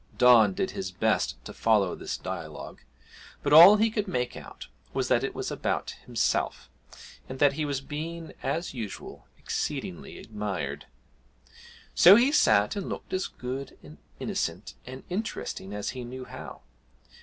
Don did his best to follow this dialogue, but all he could make out was that it was about himself, and that he was being as usual exceedingly admired. So he sat and looked as good and innocent and interesting as he knew how.